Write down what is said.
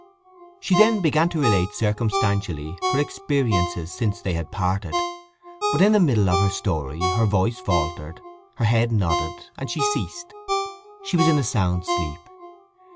She then began to relate circumstantially her experiences since they had parted; but in the middle of her story her voice faltered, her head nodded, and she ceased. She was in a sound sleep.